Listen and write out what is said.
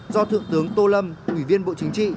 do thượng tướng tô lâm ủy viên bộ chính trị